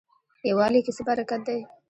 یووالي کې څه برکت دی؟